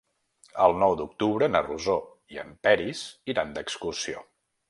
El nou d'octubre na Rosó i en Peris iran d'excursió.